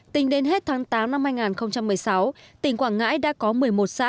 tính đến hết tháng tám năm hai nghìn một mươi sáu tỉnh quảng ngãi đã có một mươi một xã